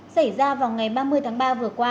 xảy ra vào ngày ba mươi tháng ba vừa qua